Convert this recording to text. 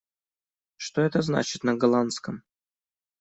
Что это значит на голландском?